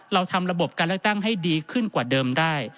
เราทำระบบการเลือกตั้งให้ดีขึ้นกว่าเดิมได้